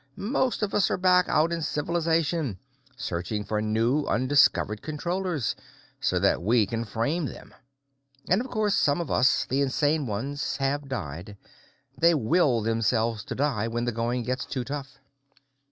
Most of us are back out in civilization, searching for new, undiscovered Controllers, so that we can frame them. And, of course, some of us the insane ones have died. They will themselves to die when the going gets too tough."